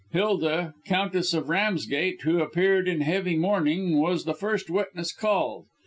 Hilda, Countess of Ramsgate, who appeared in heavy mourning, was the first witness called.